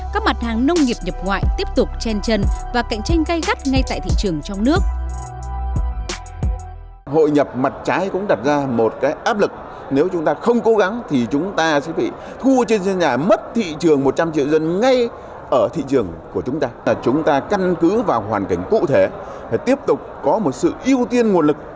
các mặt hàng nông nghiệp nhập ngoại tiếp tục chen chân và cạnh tranh gây gắt ngay tại thị trường trong nước